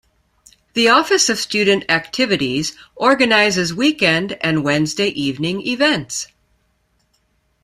The Office of Student Activities organizes weekend and Wednesday evening events.